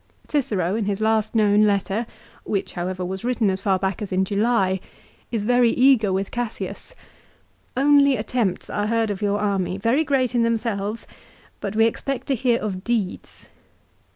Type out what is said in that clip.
Cicero in his last known letter, which however was written as far back as in July, is very eager with Cassius. " Only attempts are heard of your army, very great in themselves, but we expect to hear of deeds."